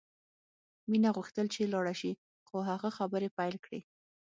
مینه غوښتل چې لاړه شي خو هغه خبرې پیل کړې